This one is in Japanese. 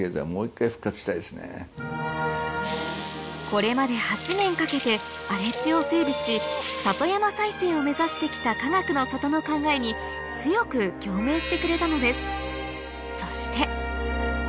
これまで８年かけて荒れ地を整備し里山再生を目指して来たかがくの里の考えに強く共鳴してくれたのですそして